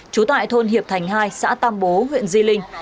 trú tại thôn hiệp thành hai xã tam bố huyện di linh